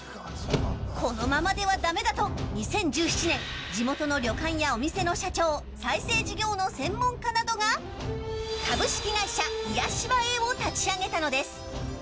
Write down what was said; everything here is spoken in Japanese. このままでは駄目だと２０１７年地元の旅館や、お店の社長再生事業の専門家などが株式会社癒し場へを立ち上げたのです。